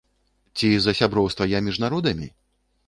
Ці за сяброўства я між народамі?